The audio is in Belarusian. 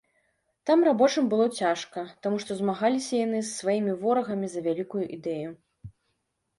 Там рабочым было цяжка, таму што змагаліся яны з сваімі ворагамі за вялікую ідэю.